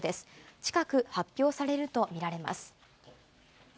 近く、発表されると見られます。